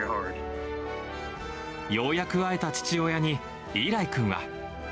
ようやく会えた父親にイーライ君は。